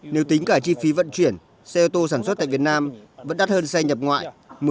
nếu tính cả chi phí vận chuyển xe ô tô sản xuất tại việt nam vẫn đắt hơn xe nhập ngoại một mươi hai mươi